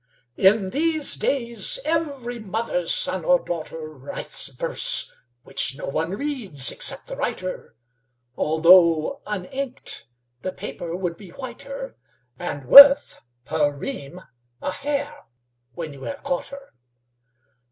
. IN these days, every mother's son or daughter Writes verse, which no one reads except the writer, Although, uninked, the paper would be whiter, And worth, per ream, a hare, when you have caught her.